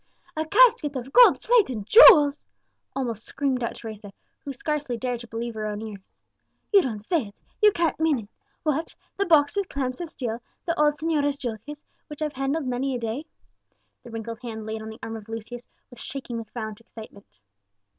"A casket of gold plate and jewels!" almost screamed out Teresa, who scarcely dared to believe her own ears; "you don't say it you can't mean it! what! the box with clamps of steel, the old señora's jewel case, which I've handled many a day!" The wrinkled hand laid on the arm of Lucius was shaking with violent excitement.